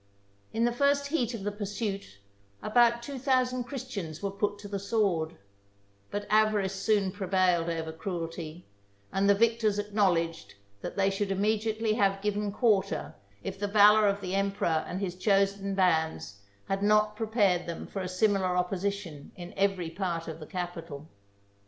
In the first heat of the pursuit, about two thousand Christians were put to the sword ; but avarice soon prevailed over cruelty ; and the victors acknowledged that they should immediately have given quarter if the valour of the emperor and his chosen bands had not prepared them for a similar opposition in every part of the capital.